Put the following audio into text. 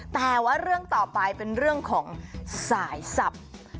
แต่ว่าเรื่องต่อไปเป็นเรื่องของสายสับ